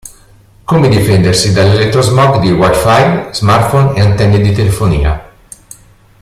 Come difendersi dall'elettrosmog di Wi-Fi, Smartphone e antenne di telefonia.